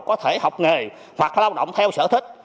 có thể học nghề hoặc lao động theo sở thích